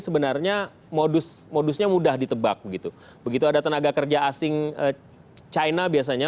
sebenarnya modus modusnya mudah ditebak begitu begitu ada tenaga kerja asing china biasanya